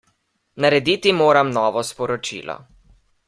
Narediti moram novo sporočilo.